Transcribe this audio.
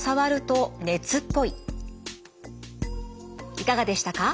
いかがでしたか？